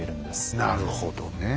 なるほどねえ。